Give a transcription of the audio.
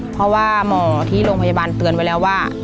เพราะว่าหมอที่โรงพยาบาลเตือนไว้แล้วว่า